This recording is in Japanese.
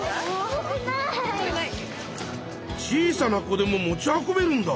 小さな子でも持ち運べるんだ！